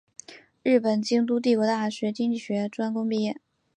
日本京都帝国大学经济学专攻毕业。